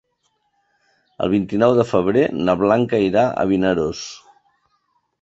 El vint-i-nou de febrer na Blanca irà a Vinaròs.